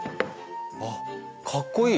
あっかっこいい！